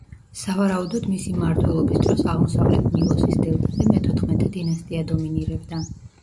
სავარაუდოდ მისი მმართველობის დროს აღმოსავლეთ ნილოსის დელტაზე მეთოთხმეტე დინასტია დომინირებდა.